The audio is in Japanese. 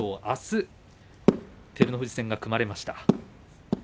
あす照ノ富士戦が組まれました。